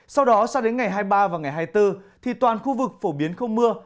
sau đó sang đến ngày hai mươi ba và ngày hai mươi bốn thì toàn khu vực phổ biến không mưa